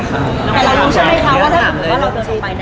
แต่เรารู้ใช่ไหมคะว่าถ้าเราเดินออกไปเนี่ย